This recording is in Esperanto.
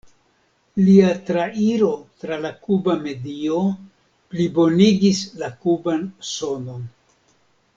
Lia trairo tra la kuba medio plibonigis la kuban sonon.